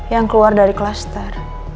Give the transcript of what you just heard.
yang keluar dari klaster